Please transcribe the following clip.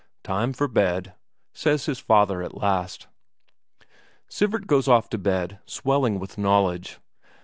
"Time for bed," says his father at last. Sivert goes off to bed, swelling with knowledge.